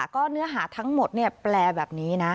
ก็เนื้อหาทั้งหมดแปลแบบนี้นะ